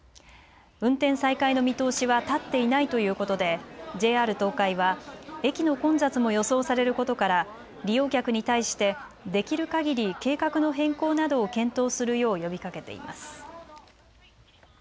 運転再開の見通しは立っていないということでＪＲ東海は駅の混雑も予想されることから利用客に対してできるかぎり計画の変更などを検討するよう呼びかけています。